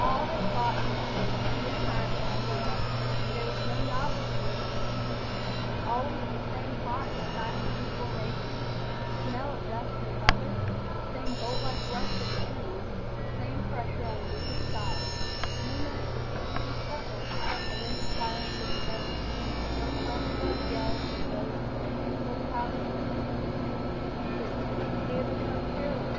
All had fought in this manner many times before, and there was no novelty in the entertainment; always the same hot and stifling formation, the smell of dust and leather, the same boltlike rush of the enemy, the same pressure on the weakest side, the few minutes of hand to hand scuffle, and then the silence of the desert, broken only by the yells of those whom their handful of cavalry attempted to pursue. They had become careless.